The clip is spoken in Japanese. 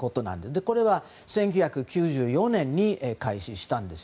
これは１９９４年に開始したんです。